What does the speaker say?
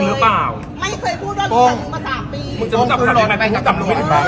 รถของใคร